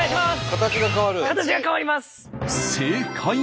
形が変わります。